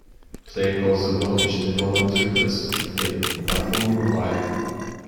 Plague causes a blockage in the proventriculus of the flea by forming a biofilm.